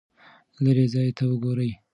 لیرې ځای ته وګورئ.